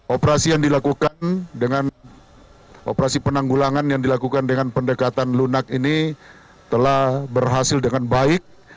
operasi yang dilakukan dengan operasi penanggulangan yang dilakukan dengan pendekatan lunak ini telah berhasil dengan baik